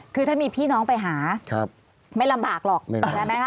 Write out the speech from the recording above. คือถ้ามีพี่น้องไปหาไม่ลำบากหรอกใช่ไหมคะ